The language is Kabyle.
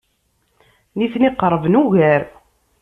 Nitni qerben ugar.